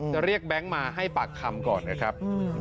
เรียกแบงค์มาให้ปากคำก่อนนะครับ